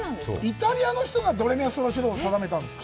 イタリアの人がドレミファソラシドを定めたんですか。